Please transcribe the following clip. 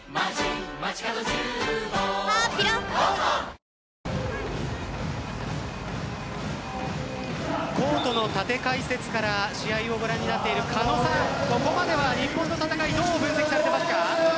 ミドルプレーヤーの宮部からコートの縦解説から試合をご覧になっている狩野さん、ここまでは日本の戦いどう分析されていますか？